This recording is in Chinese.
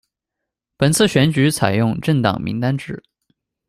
本次选举采用政党名单制。